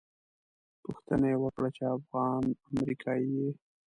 پوښتنه یې وکړه چې افغان امریکایي یې.